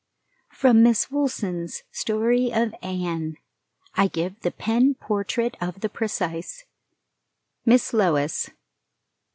From Miss Woolson's story of "Anne," I give the pen portrait of the precise "MISS LOIS."